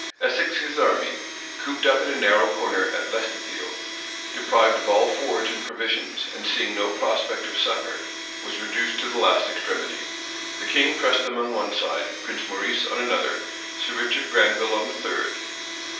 Essex's army, cooped up in a narrow corner at Lestithiel, deprived of all forage and provisions, and seeing no prospect of succor, was reduced to the last extremity. The king pressed them on one side; Prince Maurice on another; Sir Richard Granville on a third.